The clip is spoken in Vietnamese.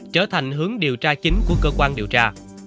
trở thành hướng điều tra chính của cơ quan điều tra